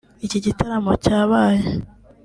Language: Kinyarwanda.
Iki gitaramo cyabaye